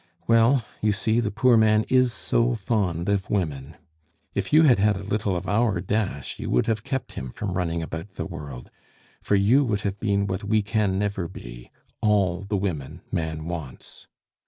Well, you see, the poor man is so fond of women. If you had had a little of our dash, you would have kept him from running about the world; for you would have been what we can never be all the women man wants.